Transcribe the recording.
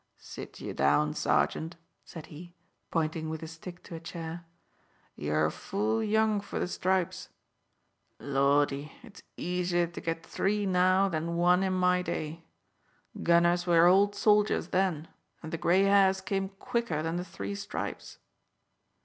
"Sit ye down, sergeant," said he, pointing with his stick to a chair. "You're full young for the stripes. Lordy, it's easier to get three now than one in my day. Gunners were old soldiers then and the grey hairs came quicker than the three stripes."